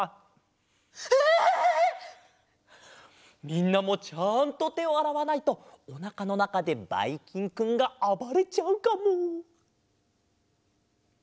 みんなもちゃんとてをあらわないとおなかのなかでばいきんくんがあばれちゃうかも！